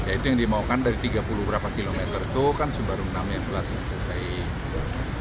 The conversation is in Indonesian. ya itu yang dia maukan dari tiga puluh berapa kilometer itu kan sebaru baru yang telah diselesaikan